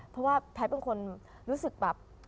เพราะว่าแพทย์เป็นคนรู้สึกแบบ